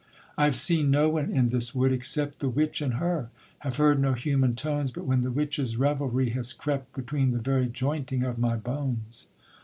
I have seen no one in this wood except The witch and her; have heard no human tones, But when the witches' revelry has crept Between the very jointing of my bones.